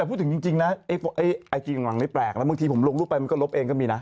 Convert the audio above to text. แต่พูดถึงจริงนะไอจีของหลังนี้แปลกแล้วบางทีผมลงรูปไปมันก็ลบเองก็มีนะ